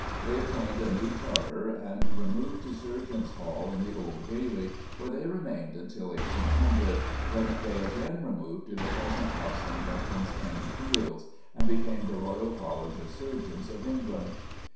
They obtained a new charter and removed to Surgeons' Hall in the Old Bailey, where they remained till 1800, when they again removed to the present house in Lincoln's Inn Fields, and became the Royal College of Surgeons of England.